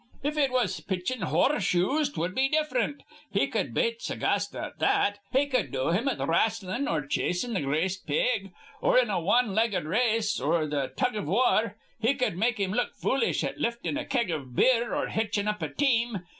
If it was pitchin' hor rseshoes, 'twud be diff'rent. He cud bate Sagasta at that. He cud do him at rasslin' or chasin' th' greased pig, or in a wan legged race or th' tug iv war. He cud make him look foolish at liftin' a kag iv beer or hitchin' up a team.